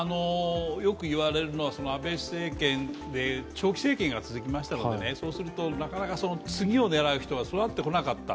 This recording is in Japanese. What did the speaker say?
よく言われるのは、安倍政権で長期政権が続きましたので、なかなか次を狙う人が育ってこなかった。